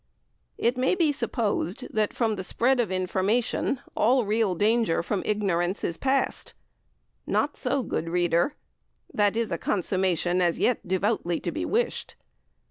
It may be supposed that, from the spread of information, all real danger from ignorance is past. Not so, good reader; that is a consummation as yet "devoutly to be wished."